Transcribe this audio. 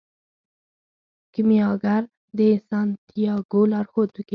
کیمیاګر د سانتیاګو لارښود کیږي.